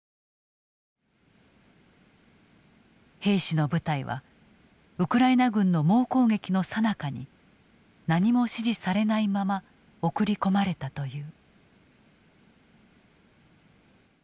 兵士の部隊はウクライナ軍の猛攻撃のさなかに何も指示されないまま送り込まれたという。